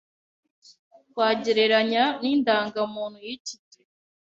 twagereranya n’indangamuntu y’iki gihe